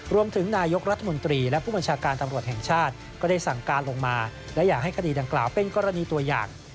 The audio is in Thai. รวมถึงนายกรัฐมนตรีและผู้บัญชาการตำรวจแห่งชาติก็ได้สั่งการลงมาและอยากให้คดีดังกล่าวเป็นกรณีตัวอย่าง